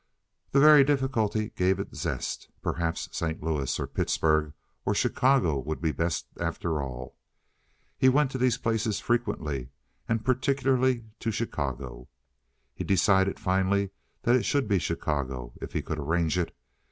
The very difficulty gave it zest. Perhaps St. Louis, or Pittsburg, or Chicago would be best after all. He went to these places frequently, and particularly to Chicago. He decided finally that it should be Chicago if he could arrange it.